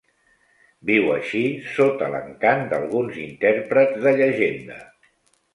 Viu així sota l'encant d'alguns intèrprets de llegenda.